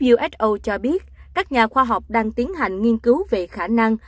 uso cho biết các nhà khoa học đang tiến hành nghiên cứu về khả năng